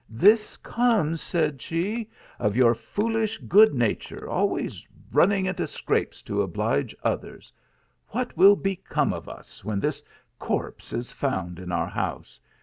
" This comes," said she, " of your foolish good nature, always running into scrapes to oblige others. What will become of us when this corpse is found in our house